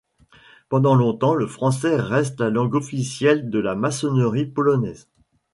Pendant longtemps le français reste la langue officielle de la maçonnerie polonaise.